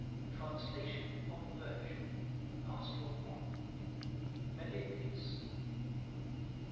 ] Translation of VIRGIL. Pastoral I. MELIBOEUS.